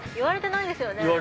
われてないですよね？